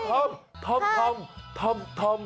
ทอมทอมทอมทอมทอม